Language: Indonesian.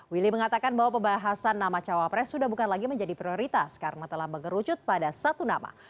willy mengatakan bahwa pembahasan nama cawapres sudah bukan lagi menjadi prioritas karena telah mengerucut pada satu nama